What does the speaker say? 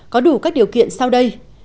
có đủ các điều kiện sau đây